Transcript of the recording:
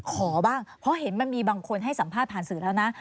ขอบ้างเพราะเห็นมันมีบางคนให้สัมภาษณ์ผ่านสื่อแล้วนะ